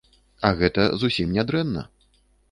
А гэта зусім не дрэнна!